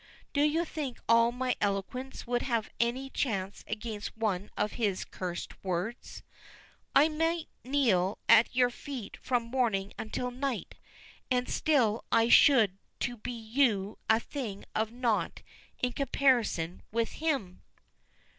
Do you think all my eloquence would have any chance against one of his cursed words? I might kneel at your feet from morning until night, and still I should be to you a thing of naught in comparison with him."